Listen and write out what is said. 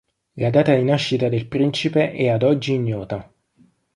La data di nascita del principe è ad oggi ignota.